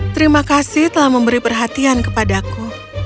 terima kasih telah memberi perhatian kepadaku